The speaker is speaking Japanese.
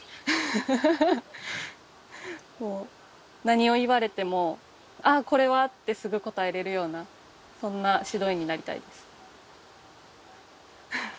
何を言われても「あっこれは」ってすぐ答えられるようなそんな指導員になりたいです。